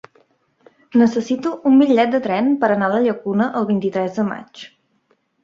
Necessito un bitllet de tren per anar a la Llacuna el vint-i-tres de maig.